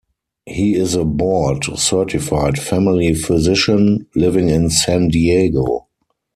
He is a board-certified family physician, living in San Diego.